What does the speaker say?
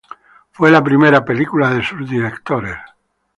Fue la primera película de sus directores.